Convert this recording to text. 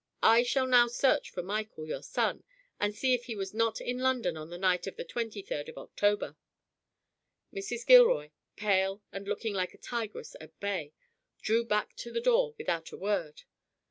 I shall now search for Michael, your son, and see if he was not in London on the night of the twenty third of October." Mrs. Gilroy, pale and looking like a tigress at bay, drew back to the door without a word.